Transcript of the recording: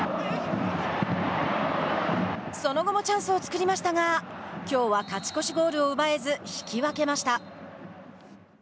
その後もチャンスを作りましたがきょうは勝ち越しゴールを奪えず引き分けました。